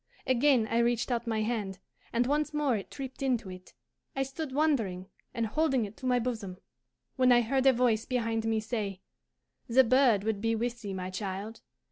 Again I reached out my hand, and once more it tripped into it. I stood wondering and holding it to my bosom, when I heard a voice behind me say, 'The bird would be with thee, my child.